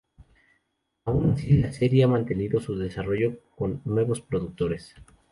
Aun así, la serie ha mantenido su desarrollo con nuevos productores.